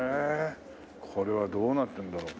これはどうなってるんだろう？